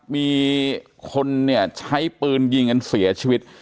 มีคนเนี่ยใช้ปืนยิงกันเสียชีวิต